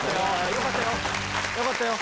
よかったよ！